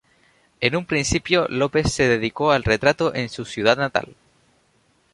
En un principio López se dedicó al retrato en su ciudad natal.